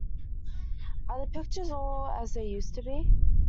Are the pictures all as they used to be?